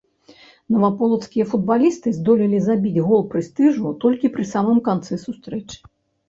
Наваполацкія футбалісты здолелі забіць гол прэстыжу толькі пры самым канцы сустрэчы.